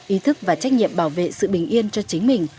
ý thức và trách nhiệm bảo vệ sự bình yên cho chính mình